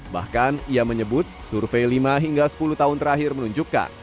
bahkan ia menyebut survei lima hingga sepuluh tahun terakhir menunjukkan